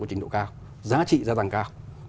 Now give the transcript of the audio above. trình độ cao giá trị gia tăng cao